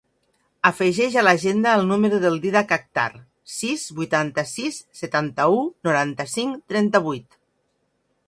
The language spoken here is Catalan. Afegeix a l'agenda el número del Dídac Akhtar: sis, vuitanta-sis, setanta-u, noranta-cinc, trenta-vuit.